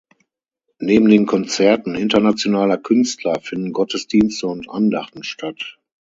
Neben den Konzerten internationaler Künstler finden Gottesdienste und Andachten statt.